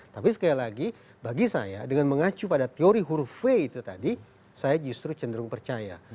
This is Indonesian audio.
tapi sekali lagi bagi saya dengan mengacu pada teori huruf v itu tadi saya justru cenderung percaya